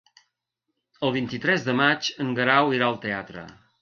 El vint-i-tres de maig en Guerau irà al teatre.